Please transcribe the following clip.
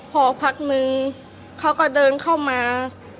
พอพักนึงเขาก็เดินเข้ามา